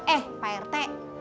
eh pak rt